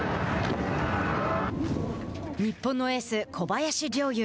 日本のエース小林陵侑。